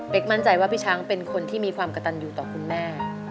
มั่นใจว่าพี่ช้างเป็นคนที่มีความกระตันอยู่ต่อคุณแม่